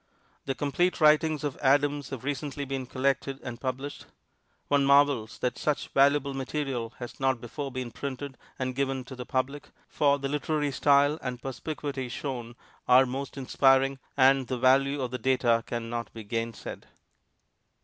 The complete writings of Adams have recently been collected and published. One marvels that such valuable material has not before been printed and given to the public, for the literary style and perspicuity shown are most inspiring, and the value of the data can not be gainsaid.